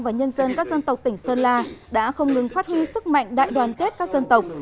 và nhân dân các dân tộc tỉnh sơn la đã không ngừng phát huy sức mạnh đại đoàn kết các dân tộc